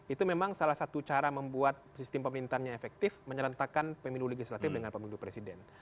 itu memang salah satu cara membuat sistem pemerintahnya efektif menyerentakkan pemilu legislatif dengan pemilu presiden